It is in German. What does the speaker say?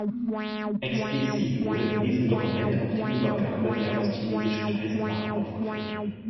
Explizit wurde in diesem Dokument auch die Übergabe der Ostchinesischen Eisenbahn aufgeführt.